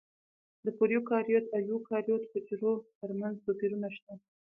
د پروکاریوت او ایوکاریوت حجرو ترمنځ توپیرونه شته.